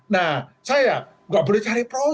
nah saya nggak boleh cari pro